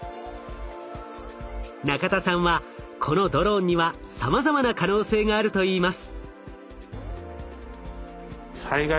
中田さんはこのドローンにはさまざまな可能性があるといいます。